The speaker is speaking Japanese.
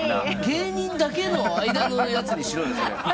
芸人だけの間のやつにしろ。